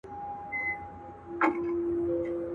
ستا شور به مي څنګه د صنم له کوڅې وباسي .